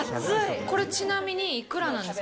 これちなみに幾らなんですか？